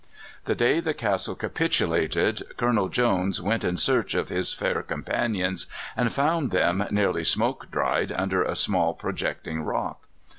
The day the castle capitulated Colonel Jones went in search of his fair companions, and found them, nearly smoke dried, under a small projecting rock.